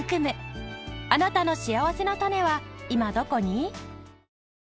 あなたのしあわせのたねは今どこに？